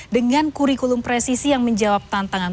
dengan kurikulum presisi yang menjawab tantangan